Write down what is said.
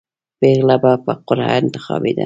پېغله به په قرعه انتخابېده.